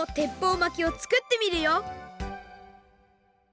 巻きをつくってみるよ！